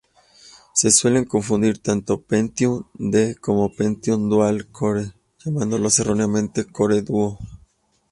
Se suelen confundir tanto Pentium D como Pentium Dual-Core llamándolos erróneamente Core Duo.